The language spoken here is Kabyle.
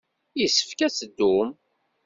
Yessefk ad teddum.